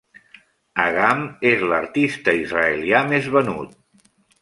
Agam és l'artista israelià més venut.